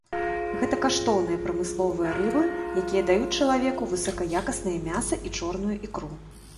Гэта каштоўныя прамысловыя рыбы, якія даюць чалавеку высакаякаснае мяса і чорную ікру.